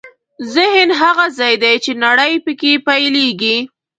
ذهن هغه ځای دی چې نړۍ پکې پیلېږي.